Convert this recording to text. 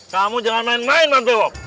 kamu jangan main main nanti